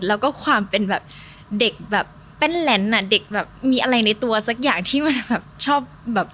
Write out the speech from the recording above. แล้วก็ความเป็นแบบเด็กแบบแป้นแหลนอ่ะเด็กแบบมีอะไรในตัวสักอย่างที่มันแบบชอบแบบ